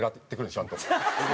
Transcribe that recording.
ちゃんと。